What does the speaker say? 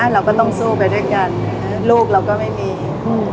เราก็ต้องสู้ไปด้วยกันลูกเราก็ไม่มี